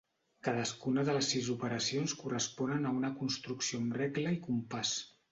Cadascuna de les sis operacions corresponen a una construcció amb regle i compàs.